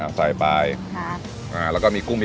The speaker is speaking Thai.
น้ำซุปน้ำซุปฟรีค่ะร้านนี้ค่ะน้ำซุปฟรี